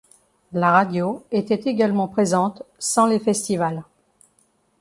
La Radio était également présente sans les festivals.